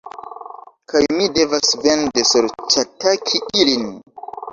Kaj mi devas vende sorĉataki ilin